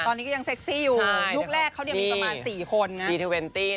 ตอนนี้ก็ยังเซ็กซี่อยู่ลุคแรกเขาเนี่ยมีประมาณ๔คน